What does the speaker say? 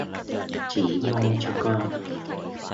Chỉ mong cho con